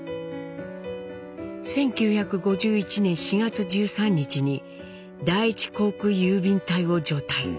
１９５１年４月１３日に第１航空郵便隊を除隊。